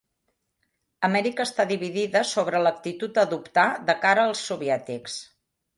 Amèrica està dividida sobre l'actitud a adoptar de cara als soviètics.